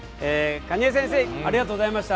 蟹江先生ありがとうございました。